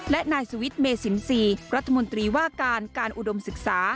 และนายสวิทย์เมสินทรีย์รัฐมนตรีว่าการการอุดมศึกษา